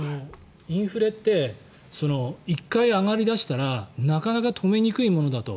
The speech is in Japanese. インフレって１回上がり出したらなかなか止めにくいものだと。